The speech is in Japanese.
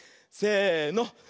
せの。